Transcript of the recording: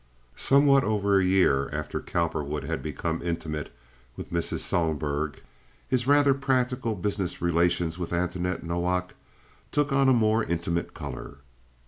Somewhat over a year after Cowperwood had become intimate with Mrs. Sohlberg his rather practical business relations with Antoinette Nowak took on a more intimate color.